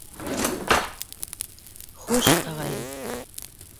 Хуш, ағайым.